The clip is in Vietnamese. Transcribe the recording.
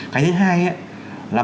cái thứ hai là một